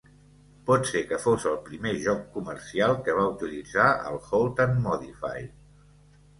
Pot ser que fos el primer joc comercial que va utilitzar el Hold-And-Modify.